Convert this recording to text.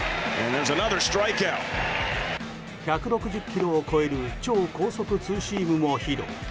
１６０キロを超える超高速ツーシームも披露。